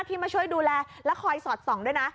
ที่มาช่วยดูแลและคอยสอดส่องด้วยนะ